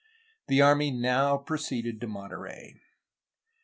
The army now proceeded to Monterey.